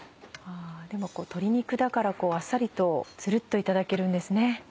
でも鶏肉だからあっさりとツルっといただけるんですね。